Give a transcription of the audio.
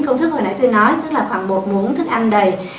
công thức hồi nãy tôi nói tức là khoảng một muỗng thức ăn đầy